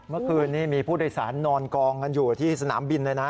เมื่อคืนนี้มีผู้โดยสารนอนกองกันอยู่ที่สนามบินเลยนะ